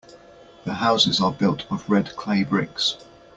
The houses are built of red clay bricks.